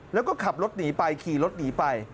แล้วก็ขับรถหนีไปขี่รถหนีไป